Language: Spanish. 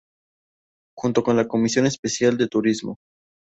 Junto con la comisión especial de Turismo.